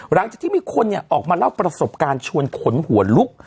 หลังจากที่มีคนออกมาเล่าประสบการณ์ชวนขนหัวลุก